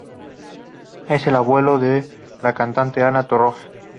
Es el abuelo de la cantante Ana Torroja.